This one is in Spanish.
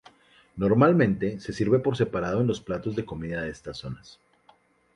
Normalmente se sirve por separado en los platos de comida de estas zonas.